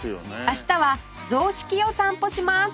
明日は雑色を散歩します